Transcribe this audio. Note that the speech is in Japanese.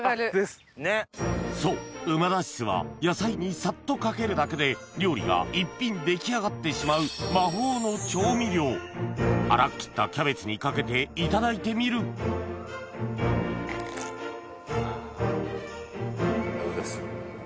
そう旨だし酢は野菜にサッとかけるだけで料理が１品出来上がってしまう粗く切ったキャベツにかけていただいてみるどうです？